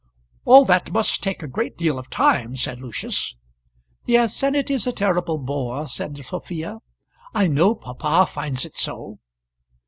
"All that must take a great deal of time," said Lucius. "Yes; and it is a terrible bore," said Sophia. "I know papa finds it so."